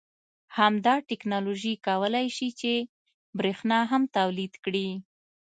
همدا تکنالوژي کولای شي چې بریښنا هم تولید کړي